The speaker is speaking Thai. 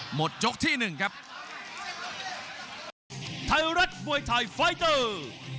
หมดยกที่หนึ่งครับไทยรัฐมวยไทยไฟเตอร์